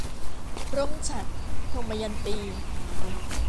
ร่มฉัตร - ทมยันตี